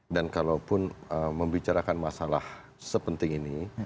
dan kalaupun membicarakan masalah sepenting ini